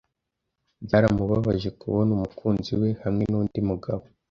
Byaramubabaje kubona umukunzi we hamwe nundi mugabo.